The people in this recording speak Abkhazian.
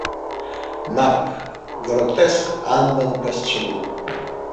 Мап, гротеск анбанқәа сцәымӷуп.